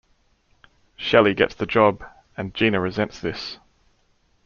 Shelley gets the job and Geena resents this.